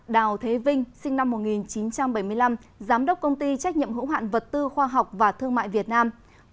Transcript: ba đào thế vinh sinh năm một nghìn chín trăm bảy mươi năm giám đốc công ty trách nhiệm hữu hoạn vật tư khoa học và thương mại việt nam